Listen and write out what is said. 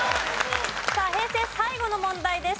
さあ平成最後の問題です。